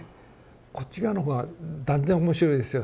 こっち側の方が断然面白いですよ